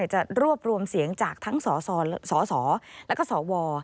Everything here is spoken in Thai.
จะรวบรวมเสียงจากทั้งสสแล้วก็สว